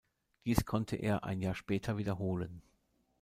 Dies konnte er ein Jahr später wiederholen.